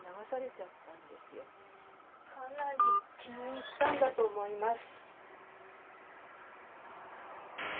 かなり気に入ったんだと思います。